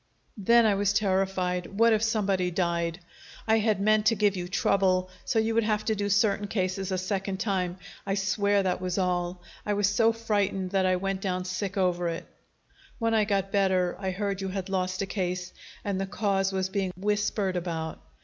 "Then I was terrified. What if somebody died? I had meant to give you trouble, so you would have to do certain cases a second time. I swear that was all. I was so frightened that I went down sick over it. When I got better, I heard you had lost a case and the cause was being whispered about.